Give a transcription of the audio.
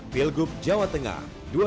pilgub jawa tengah dua ribu delapan belas